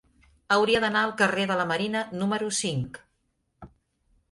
Hauria d'anar al carrer de la Marina número cinc.